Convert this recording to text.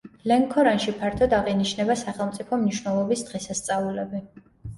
ლენქორანში ფართოდ აღინიშნება სახელმწიფო მნიშვნელობის დღესასწაულები.